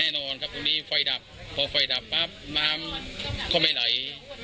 แน่นอนครับตรงนี้ไฟดับพอไฟดับปั๊บน้ำก็ไม่ไหล